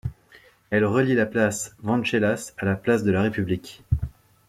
Elle relie la Place Venceslas à la Place de la République.